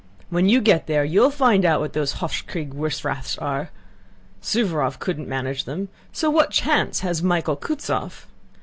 When you get there you'll find out what those Hofs kriegs wurst Raths are! Suvórov couldn't manage them so what chance has Michael Kutúzov?